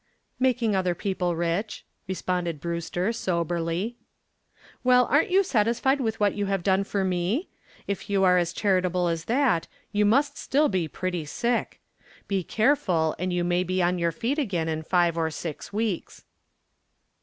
"Making other people rich," responded Brewster, soberly. "Well, aren't you satisfied with what you have done for me? If you are as charitable as that you must be still pretty sick. Be careful, and you may be on your feet again in five or six weeks."